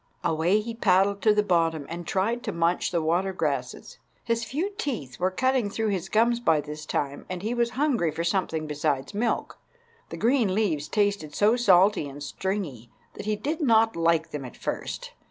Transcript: Away he paddled to the bottom and tried to munch the water grasses. His few teeth were cutting through his gums by this time, and he was hungry for something besides milk. The green leaves tasted so salty and stringy that he did not like them at first.